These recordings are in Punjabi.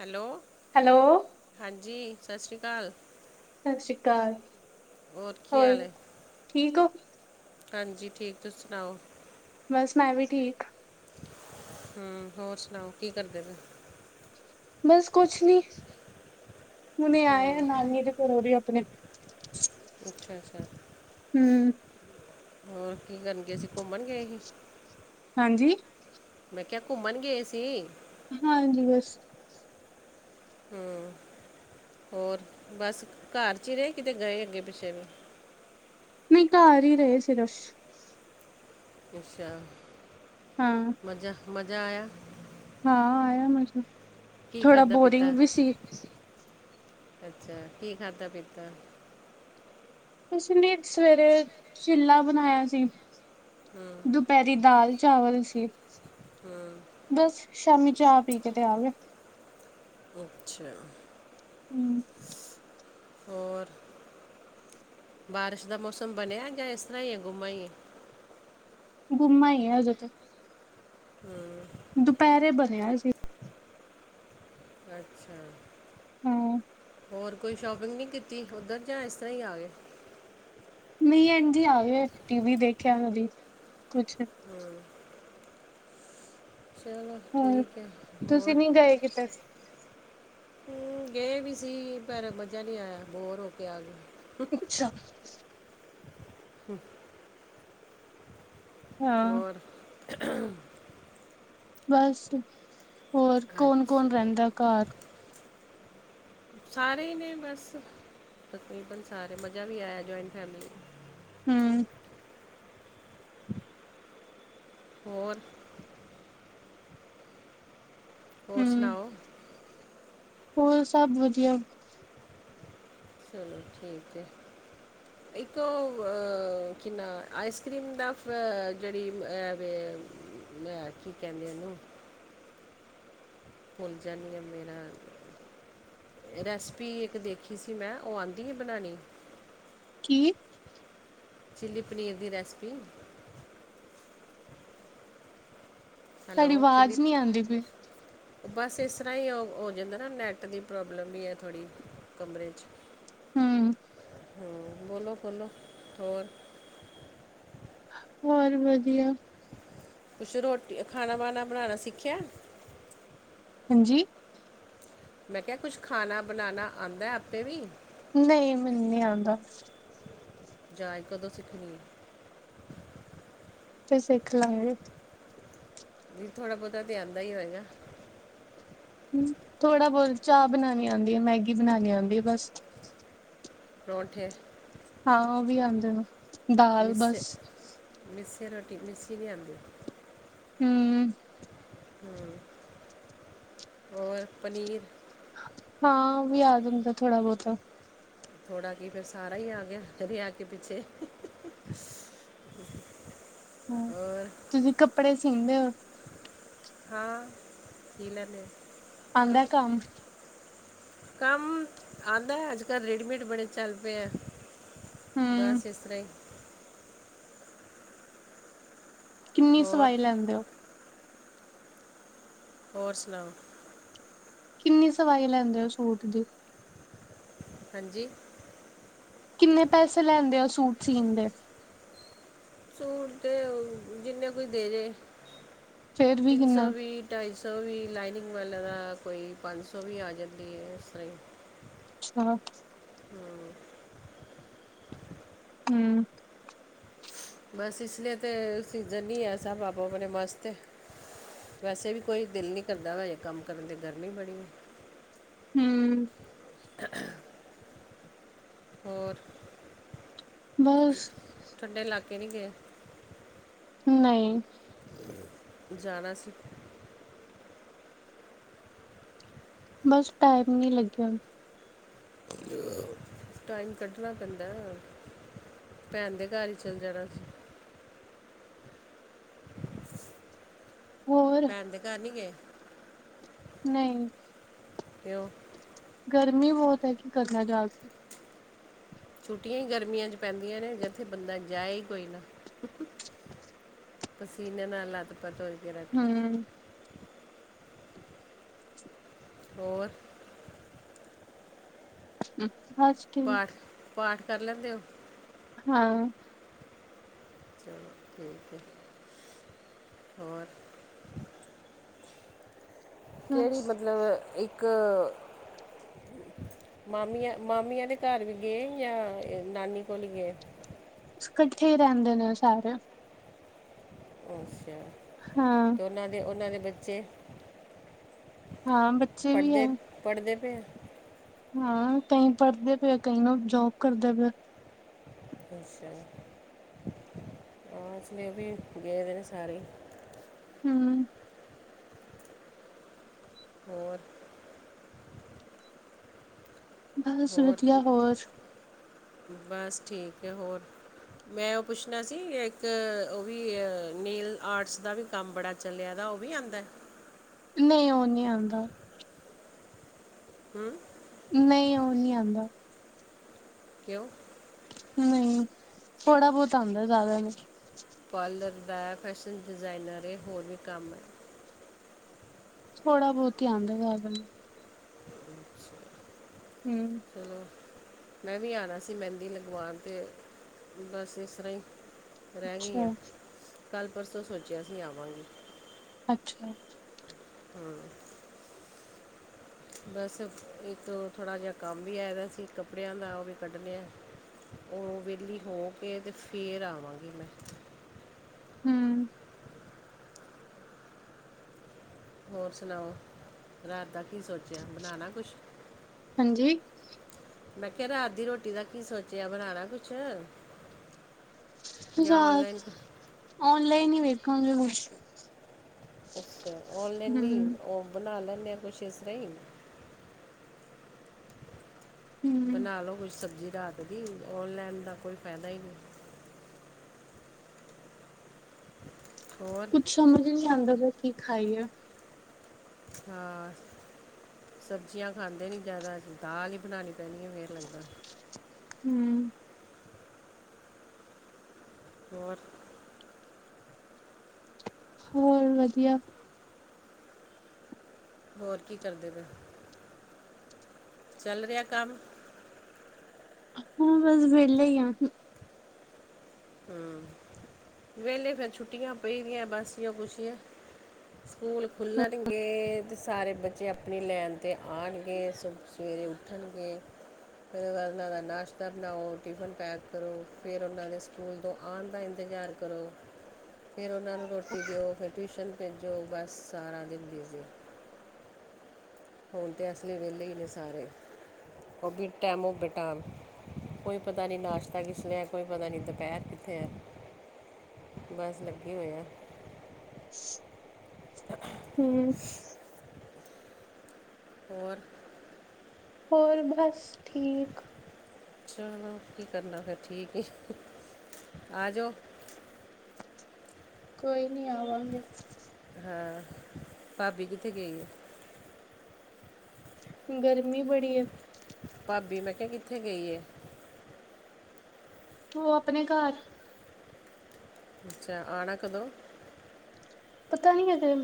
ਹੈਲੋ ਹੈਲੋ ਹਾਂਜੀ ਸਤਿ ਸ਼੍ਰੀ ਅਕਾਲ ਸਤਿ ਸ਼੍ਰੀ ਅਕਾਲ ਕੀ ਹੋਰ ਹਾਲ ਹੈ ਠੀਕ ਹੋ ਹਾਂਜੀ ਠੀਕ ਤੁਸੀਂ ਸੁਣਾਓ? ਬਸ ਮੈਂ ਵੀ ਠੀਕ। ਹੂ ਹੋਰ ਸੁਣਾਓ ਕੀ ਕਰਦੇ ਪਏ ਬਸ ਕੁੱਛ ਨੀ ਹੁਣੇ ਆਏ ਨਾਨੀ ਤੇ ਪੂਰੇ ਆਪਣੇ ਅੱਛਾ-ਅੱਛਾ। ਹੂ,,, ਹੋਰ ਕੀ ਕਰਨਗੇ ਸੀ ਘੁੰਮਣ ਗਏ ਸੀ? ਹਾਂਜੀ? ਮੈਂ ਕਿਆ ਘੁੰਮਣ ਗਏ ਸੀ? ਹਾਂਜੀ ਬਸ। ਹੂ ਹੋਰ ਬਸ ਘਰ ਚ ਈ ਰੇ ਕਿਤੇ ਗਏ ਪਿੱਛੇ ਵੀ। ਨਹੀਂ ਘਰ ਈ ਰਏ ਸਿਰਫ਼। ਅੱਛਾ। ਹਾਂ ਮਜ਼ਾ ਮਜ਼ਾ ਆਇਆ ਹਾਂ ਆਇਆ ਕੀ ਥੋੜਾ ਖਾਦਾ ਪੀਤਾ ਬੋਰਿੰਗ ਵੀ ਸੀ। ਅੱਛਾ ਕੀ ਖਾਦਾ ਪੀਤਾ ਕੁਛ ਨਹੀਂ ਸਵੇਰੇ ਚਿੱਲਾ ਬਣਾਇਆ ਸੀ। ਹਾਂ ਦੁਪਹਿਰੀ ਦਾਲ ਚਾਵਲ ਸੀ। ਹਾਂ ਬਸ ਸ਼ਾਮੀ ਚਾਹ ਪੀ ਕੇ ਤੇ ਆਗੇ ਅੱਛਾ। ਹੂੰ, ਹੋਰ ਬਾਰਿਸ਼ ਦਾ ਮੌਸਮ ਬਣਿਆ ਗਿਆ ਇਸ ਤਰ੍ਹਾਂ ਹੀ ਹੈ ਗੁਮਾਂ ਹੀ ਗੁਮਾ ਹੀ ਹਜੇ ਤੇ ਹੂ,,, ਦੁਪਹਿਰੇ, ਬਨਿਆ ਸੀ। ਅੱਛਾ। ਹਾਂ, ਹੋਰ ਕੋਈ ਸ਼ੋਪਿੰਗ ਨਹੀਂ ਕੀਤੀ ਉੱਧਰ, ਜਾਂ ਇਸ ਤਰ੍ਹਾਂ ਹੀ ਆ ਗਏ? ਨਹੀਂ, ਐਂਝ ਈ ਆ ਗਏ, ਟੀਵੀ ਦੇਖਿਆ ਕਦੀ ਕੁਛ ਹਮਮ। ਹੋਰ, ਠੀਕ ਹੈ ਤੁਸੀਂ ਹੋਰ ਨਹੀ ਗਏ ਕਿਤੇ? ਹਮ, ਗਏ ਵੀ ਸੀ, ਪਰ ਮਜਾ ਨਹੀਂ ਆਇਆ ਬੋਰ ਹੋ ਕੇ ਆ ਗਏ। ਅੱਛਾ। ਹਾਂ। ਹੋਰ? ਬਸ, ਹੋਰ ਕੌਣ- ਕੌਣ ਅੱਛਾ ਰਹਿੰਦਾ ਘਰ? ਸਾਰੇ ਹੀ ਨੇ ਬਸ, ਤਕਰੀਬਨ ਸਾਰੇ, ਮਜ਼ਾ ਵੀ ਆਇਆ ਜੁਆਇੰਟ ਫੈਮਿਲੀ ਹਮਮ। ਹੋਰ? ਹੋਰ, ਹੂੰ ਸੁਣਾਓ? ਹੋਰ, ਸਭ ਵਧੀਆ। ਚਲੋ, ਠੀਕ ਹੈ। ਇੱਕ, ਕੀ ਨਾ ਆਈਸ ਕ੍ਰੀਮ ਦਾ ਫ, ਜਿਹੜੀ ਅ ਵੇ ਲੈ, ਕੀ ਕਹਿੰਦੇ ਉਹਨੂੰ? ਭੁੱਲ, ਜਾਨੀਂ ਆ ਮੈਂ ਨਾ। ਰੈਸਪੀ, ਇੱਕ ਦੇਖੀ ਸੀ ਮੈਂ, ਉਹ ਆਉਂਦੀ ਹੈ ਬਣਾਣੀ? ਕੀ? ਚਿੱਲੀ, ਪਨੀਰ ਦੀ ਰੈਸਿਪੀ? ਤੁਹਾਡੀ ਹੈਲੋ, ਚਿੱਲੀ ਆਵਾਜ਼ ਨੀ ਆਂਦੀ ਪਈ। [inaudible] ਬਸ ਇਸ ਤਰ੍ਹਾਂ, ਹੀ ਉਹ ਹੋ ਜਾਂਦਾ ਨਾ, ਨੈੱਟ ਦੀ ਪ੍ਰੋਬਲਮ ਵੀ ਹੈ, ਥੋੜ੍ਹੀ ਕਮਰੇ 'ਚ। ਹਮਮ ਹਮਮ, ਬੋਲੋ- ਬੋਲੋ, ਹੋਰ? ਹੋਰ, ਵਧੀਆ। ਕੁਛ, ਰੋਟੀ, ਖਾਣਾ -ਵਾਣਾ, ਬਣਾਉਣਾ ਸਿੱਖਿਆ? ਹਾਂਜੀ? ਮੈਂ ਕਿਹਾ, ਕੁਛ ਖਾਣਾ ਬਣਾਉਣਾ ਆਉਂਦਾ? ਆਪੇ ਵੀ ਨਹੀਂ, ਮੈਨੂੰ ਨਹੀਂ ਆਉਂਦਾ। ਜਾਚ ਕਦੋਂ ਸਿੱਖਣੀ ਹੈ? ਫੇਰ, ਸਿੱਖ ਲਾਂਗੇ। ਵੀ, ਥੋੜਾ ਬਹੁਤਾ ਤੇ, ਆਉਂਦਾ ਹੀ ਹੋਏਗਾ? ਹਮ, ਥੋੜਾ ਬਹੁਤ ਚਾਹ ਬਣਾਉਣੀ ਆਉਂਦੀ ਆ, ਮੈਗੀ ਬਣਾਉਣੀ ਆਉਂਦੀ ਆ ਬਸ। ਪਰੌਂਠੇ? ਹਾਂ, ਉਹ ਵੀ ਆਉਂਦੇ ਨ। ਮਿੱਸੇ, ਮਿੱਸੀ ਰੋਟੀ, ਮਿੱਸੀ ਨਹੀਂ ਆਂਦੀ। ਹਮ। ਹਮ, ਹੋਰ ਪਨੀਰ? ਹਾਂ, ਉਹ ਵੀ ਆ ਜਾਂਦਾ, ਥੋੜਾ ਬਹੁਤਾ। ਥੋੜ੍ਹਾ ਕੀ, ਫੇਰ ਸਾਰਾ ਹੀ ਆ ਗਿਆ, ਰਿਹਾ ਕੀ ਪਿੱਛੇ? ਹਮ, ਔਰ ਤੁਸੀਂ ਕੱਪੜੇ ਸੀਂਦੇ ਹੋ? ਹਾਂ, ਸੀਅ ਲੈਂਦੇ ਹਾਂ। ਆਉਂਦਾ, ਕੰਮ? ਕੰਮ ਆਂਦਾ, ਅੱਜ- ਕੱਲ੍ਹ ਰਡੀਮੇਡ ਬੜੇ ਚੱਲ ਪਏ ਆ। ਹੂੰ, ਬਸ, ਇਸ ਤਰ੍ਹਾਂ ਈ। ਕਿੰਨੀ, ਹੋਰ ਸਵਾਈ ਲੈਂਦੇ ਹੋ? ਹੋਰ, ਸੁਣਾਓ? ਕਿੰਨੀ, ਸਵਾਈ ਲੈਂਦੇ ਹੋ ਸੂਟ ਦੀ? ਹਾਂਜੀ। ਕਿੰਨੇ ਪੈਸੇ ਲੈਂਦੇ ਆ ਸੂਟ ਸੀਣ ਦੇ? ਸੂਟ ਤਾਂ ਜਿੰਨੇ ਕੁ ਦੇ ਦੇ। ਫੇਰ ਵੀ ਤਿੰਨ ਸੌ ਕਿੰਨਾ ਵੀਹ। ਢਾਈ ਸੌ ਵੀ, ਲਾਈਨਿੰਗ ਵਾਲਿਆਂ ਦਾ ਕੋਈ ਪੰਜ ਸੌ ਵੀ ਆ ਜਾਂਦੀ ਹੈ। ਇਸ ਤਰ੍ਹਾਂ ਹੀ ਹਛ। ਹਮ ਹਮ। ਬਸ ਇਸ ਲਈ ਤਾਂ ਸ ਸੀਜ਼ਨ ਨਹੀਂ ਹੈ। ਸਾਬ ਆਪ- ਆਪਣੇ ਮਸ ਵੈਸੇ ਵੀ ਕੋਈ ਦਿਲ ਨੀ ਕਰਦਾ ਜੇ ਕੰਮ ਕਰਨ ਦੀ ਗਰਮੀ ਬੜੀ ਹੈ। ਹਮ। ਹੋਰ ਬਸ। ਠੰਡੇ ਇਲਾਕੇ ਨਹੀਂ ਗਏ। ਨਹੀਂ। ਜਾਣਾ ਸੀ। ਬਸ ਟਾਈਮ ਨੀ ਲੱਗਿਆ। ਟਾਈਮ ਕੱਢਣਾ ਪੈਂਦਾ। ਭੈਣ ਦੇ ਘਰ ਹੀ ਚੱਲ ਜਾਣਾ ਸੀ। ਹੋਰ ਭੈਣ ਦੇ ਘਰ ਨੀ ਗਏ। ਨਹੀਂ। ਕਿਓ। ਗਰਮੀ ਬਹੁਤ ਹੈ ਕਿ ਕਰਨਾ ਜਾ ਕੇ। ਛੁੱਟੀਆਂ ਹੀ ਗਰਮੀਆਂ 'ਚ ਪੈਂਦੀਆਂ ਨੇ ਜਿੱਥੇ ਬੰਦਾ ਜਾਏ ਹੀ ਕੋਈ ਨਾ। ਸਸੀਨ ਨਾ ਲਾੱ ਪਥ ਉਹਕੇ ਹਮ। ਹੋਰ ਹੂ ਬਸ। ਠੀਕ ਪਾਠ, ਪਾਠ ਕਰ ਲੈਂਦੇ ਹੋ। ਹਾਂ। ਚਲੋ ਠੀਕ ਹੈ। ਹੋਰ ਕਿਹੜੀ ਬਸ ਮਤਲਬ ਇੱਕ ਮਾਮੀ, ਮਮਿਆ ਦੇ ਘਰ ਵੀ ਗਏ ਜਾਂ ਨਾਨੀ ਕੋਲ ਗਏ। ਇਕੱਠੇ ਰਹਿੰਦੇ ਨੇ ਸਾਰੇ। ਅੱਛਾ। ਹਾਂ ਤੇ ਉਹਨਾਂ ਦੇ ਉਹਨਾਂ ਦੇ ਬੱਚੇ ਹਾਂ। ਬੱਚੇ ਵੀ ਹੈ। ਪੜ੍ਹਦੇ ਪਏ। ਹਾਂ। ਕਈ ਪੜ੍ਹਦੇ ਪਏ, ਕਈ ਨਾ ਜੋਬ ਕਰਦੇ ਪਿਆ। ਐਸ ਟਾਇਮ। ਆ ਚ' ਉਹਸਲੇ ਦੇ ਗਏਦੇ ਨੇ ਸਾਰੇ। ਹੂ। ਹੋਰ। ਬਸ ਵਧੀਆ ਹੋਰ। ਬਸ ਠੀਕ ਹੈ। ਹੋਰ ਮੈਂ ਉਹ ਪੁੱਛਣਾ ਸੀ ਇੱਕ, ਉਹ ਵੀ ਨੇੀਲ ਆਰਟਸ ਦਾ ਵੀ ਕੰਮ ਬੜਾ ਚੱਲਿਆ ਦਾ ਉਹ ਵੀ ਆਂਦਾ। ਨਹੀਂ ਉਹ ਨਹੀਂ ਆਉਂਦਾ। ਹਮ। ਨਹੀਂ ਉਹ ਨਹੀਂ ਆਉਂਦਾ। ਕਿਓ ਨਹੀਂ ਥੋੜਾ- ਬਹੁਤ ਆਉਂਦਾ ਜ਼ਿਆਦਾ ਨਹੀਂ। ਪਾਰਲਰ ਦਾ, ਫੈਸ਼ਨ ਡਿਜ਼ਾਇਨ ਇਹ ਹੋਰ ਵੀ ਕੰਮ ਏ ਥੋੜਾ ਬਹੁਤ ਹੀ ਆਦਾ ਜਿਆਦਾ ਨੀ। [inaudible] ਹੂੰ। ਚਲੋ ਮੈਂ ਵੀ ਆਣਾ ਸੀ ਮਹਿੰਦੀ ਲਗਵਾਣ ਤੇ ਬਸ ਇਸ ਤਰ੍ਹਾਂ ਹੀ ਰਹਿ ਗਈ ਆ। ਅੱਛਾ ਕੱਲ ਪਰਸੋਂ ਸੋਚਿਆ ਸੀਂ ਆਵਾਂਗੇ। ਅੱਛਾ। ਹੂੰ। ਬਸ ਇੱਕ ਥੋੜ੍ਹਾ ਜਿਹਾ ਕੰਮ ਵੀ ਆਇਆ ਦਾ ਸੀ ਕੱਪੜਿਆਂ ਦਾ, ਉਹ ਵੀ ਕੱਢਣੇ ਆ। ਉਹ ਵਿਹਲੀ ਹੋ ਕੇ ਤੇ ਫੇਰ ਆਵਾਂਗੀ ਮੈਂ। ਹਮ। ਹੋਰ ਸੁਣਾਓ, ਰਾਤ ਦਾ ਕੀ ਸੋਚਿਆ ਬਣਾਣਾ ਕੁਛ? ਹਾਂਜੀ। ਮੈਂ ਕਿਹਾ ਰਾਤ ਦੀ ਰੋਟੀ ਦਾ ਕੀ ਸੋਚਿਆ, ਬਣਾਣਾ ਕੁਛ? ਜਾਂ ਰਾਤ, ਆਨਲਾਈਨ ਓਨਲਾਈਨ ਹੀ ਵੇਖਾਂ ਕੁਛ। ਅੱਛਾ, ਔਨਲਾਈਨ ਨੀ ਹਮ ਉਹ ਬਣਾ ਲੈਦੇ ਆ ਕੁਛ ਇਸ ਤਰ੍ਹਾਂ ਇ ਹਮ ਬਣਾ ਲੋ ਕੁਝ ਸਬਜ਼ੀ ਰਾਤ ਦੀ, ਔਨਲਾਈਨ ਦਾ ਕੋਈ ਫਾਇਦਾ ਹੀ ਨੀ। ਹੋਰ। ਕੁੱਛ ਸਮਝ ਨਈ ਆਂਦਾ ਪਿਆ ਕੀ ਖਾਈਏ। ਹਾਂ, ਸਬਜ਼ੀਆਂ ਖਾਂਦੇ ਨੀ ਜਿਆਦਾ ਦਾਲ ਹੀ ਬਣਾਣੀ ਪੈਨੀ ਏ ਫੇਰ ਲੱਗਦਾ। ਹੂੰ। ਹੋਰ। ਹੋਰ ਵਧੀਆ। ਹੋਰ ਕੀ ਕਰਦੇ ਪਏ? ਚੱਲ ਰਿਹਾ ਕੰਮ। ਹਾਂ, ਬਸ ਵੇਲੇ ਹੀ ਆ। ਹੂੰ, ਵੇਲੇ ਫਿਰ ਛੁੱਟੀਆਂ ਪੈਦੀਆਂ ਬਾਸੀਆਂ ਬੂਸੀਆਂ ਸਕੂਲ ਖੁੱਲਣਗੇ ਤੇ ਸਾਰੇ ਬੱਚੇ ਆਪਣੀ ਲੈਣ ਤੇ ਆਣਗੇ। ਸਵੇਰੇ ਉੱਠਣਗੇ। ਫਿਰ ਉਹਨਾਂ ਦਾ ਨਾਸ਼ਤਾ ਬਣਾਓ, ਟਿਫਨ ਪੈਕ ਕਰੋ, ਫੇਰ ਉਹਨਾਂ ਸਕੂਲ ਤੋਂ ਆਣ ਦਾ ਇੰਤਜ਼ਾਰ ਕਰੋ। ਫਿਰ ਉਹਨਾਂ ਨੂੰ ਰੋਟੀ ਦਿਓ, ਫਿਰ ਟਿਊਸ਼ਨ ਭੇਜੋ ਬਸ ਸਾਰਾ ਦਿਨ ਬਿਜੀ। ਹੁਣ ਤੇ ਇਸ ਵੇਲੇ ਵੇਹਲੇ ਹੀ ਨੇ ਸਾਰੇ, ਉਹ ਵੀ ਟੈਮ ਬੇਟੇਮ। ਕੋਈ ਪਤਾ ਨੀ ਨਾਸ਼ਤਾ ਕਿਸ ਲਈ ਐ, ਕੋਈ ਪਤਾ ਨਈ ਦੁਪਹਿਰ ਕਿੱਥੇ ਐ। ਬਸ ਲੱਗੇ ਹੋਏ ਆ। ਹੂੰ। ਹੋਰ। ਹੋਰ ਬਸ ਠੀਕ। ਚਲੋ ਕੀ ਕਰਨਾ ਫਿਰ ਠੀਕ ਐ, ਆ ਜਾਓ। ਕੋਈ ਨੀ ਆਵਾਂਗੇ। ਹਾਂ, ਭਾਬੀ ਕਿੱਥੇ ਗਈ? ਗਰਮੀ ਬੜੀ ਏ। ਭਾਬੀ ਮੈਂ ਕਿਹਾ ਕਿੱਥੇ ਗਈ ਏ? ਉਹ ਆਪਣੇ ਘਰ। ਅੱਛਾ, ਆਣਾ ਕਦੋਂ? ਪਤਾ ਨਈ ਹਜੇ,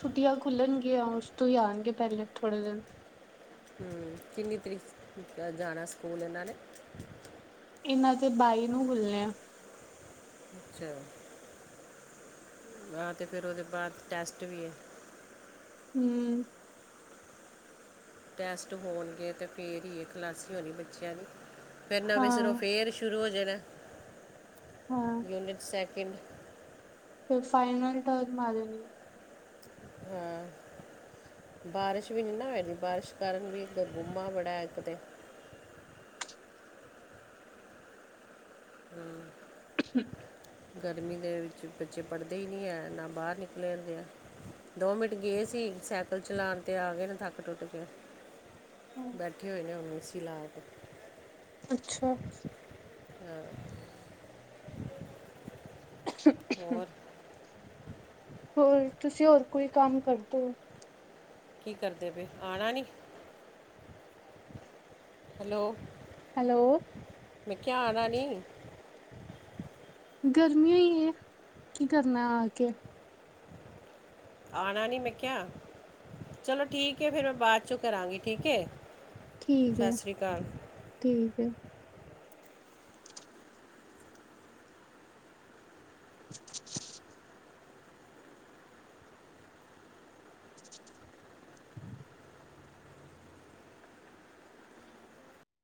ਛੁੱਟੀਆਂ ਖੁੱਲਣਗੀਆਂ ਉਸ ਤੋਂ ਹੀ ਆਣਗੇ ਪਹਿਲੇ ਥੋੜ੍ਹੇ ਦਿਨ। ਹੂੰ, ਕਿੰਨੀ ਤਰੀਕ ਜਾਣਾ ਸਕੂਲ ਇਹਨਾਂ ਨੇ? ਇਹਨਾਂ ਦੇ ਬਾਈ ਨੂੰ ਖੁੱਲਣੇ ਆ। ਅੱਛਾ। ਹਾਂ ਤੇ ਫਿਰ ਉਹਦੇ ਬਾਅਦ ਟੈਸਟ ਵੀ ਐ। ਹੂੰ, ਟੈਸਟ ਹੋਣਗੇ ਤਾਂ ਫਿਰ ਹੀ ਇਹ ਖਲਸੀ ਹੋਣੀ ਬੱਚਿਆਂ ਦੀ। ਫਿਰ ਨਵੇਂ ਸਿਰੇ ਤੋਂ ਹਾਂ-ਹਾਂ ਫਿਰ ਸ਼ੁਰੂ ਹੋ ਜਾਣਾ ਯੂਨਿਟ ਸੈਕਿੰਡ। ਫਿਰ ਫਾਈਨਲ ਟਰਨ ਮਾਰੇ ਨੇ। ਹਾਂ, ਬਾਰਿਸ਼ ਵੀ ਨੀ ਨਾ ਹੋਈ ਦੀ ਬਾਰਿਸ਼ ਕਾਰਨ ਵੀ ਗਬੂਮਾ ਬੜਾ ਐ ਇੱਕ ਤੇ। ਹੂੰ, ਠੀਕ। ਗਰਮੀ ਦੇ ਵਿੱਚ ਬੱਚੇ ਪੜ੍ਹਦੇ ਹੀ ਨਹੀਂ ਹੈ ਨਾ ਬਾਹਰ ਨਿਕਲੇ ਜਾਂਦੇ ਆ। ਦੋ ਮਿੰਟ ਗਏ ਸੀ ਸਾਈਕਲ ਚਲਾਣ ਤੇ ਆ ਗਏ ਨੇ ਥੱਕ ਟੁੱਟ ਕੇ। ਹੂੰ। ਬੈਠੇ ਹੋਏ ਨੇ ਉਹਨੂੰ ਏਸੀ ਲਾ ਕੇ। ਅੱਛਾ, ਹਾਂ, ਹੋਰ [inaudible] ਹੋਰ ਤੁਸੀਂ ਹੋਰ ਕੋਈ ਕੰਮ ਕਰਦੇ ਹੋ ਕੀ ਕਰਦੇ ਪਏ ਆਣਾ ਨੀ ਹੈਲੋ ਹੈਲੋ ਮੈਂ ਕਿਹਾ ਆਣਾ ਨੀ ਗਰਮੀ ਹੀ ਓ ਕੀ ਕਰਨਾ ਆ ਕੇ ਆਣਾ ਨੀ ਮੈਂ ਕਿਹਾ ਚਲੋ ਠੀਕ ਐ ਫਿਰ ਮੈਂ ਬਾਅਦ ਚੋਂ ਕਰਾਂਗੀ ਠੀਕ ਐ ਠੀਕ ਐ ਠੀਕ ਐ [inaudible] [inaudible]